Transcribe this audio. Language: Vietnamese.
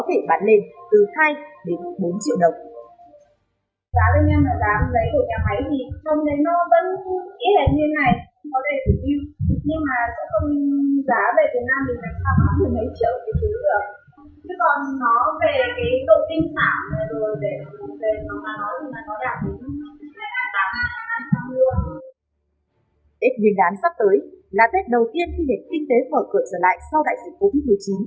tết nguyên đán sắp tới là tết đầu tiên khi để kinh tế mở cửa trở lại sau đại dịch covid một mươi chín